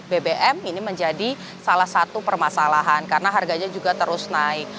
bbm ini menjadi salah satu permasalahan karena harganya juga terus naik